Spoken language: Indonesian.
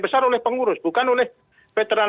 besar oleh pengurus bukan oleh veteran